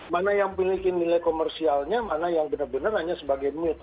mana yang memiliki nilai komersialnya mana yang benar benar hanya sebagai mut